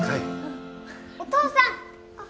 ・お父さん！